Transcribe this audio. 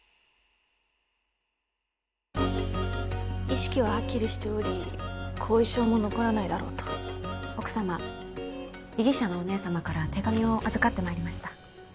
意識ははっきりしており後遺症も残らないだろうと奥様被疑者のお姉様から手紙を預かってまいりました